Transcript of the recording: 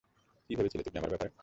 কি ভেবেছিলে তুমি আমার ব্যাপারে?